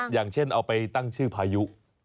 อย่างเช่นเอาไปตั้งชื่อพายุ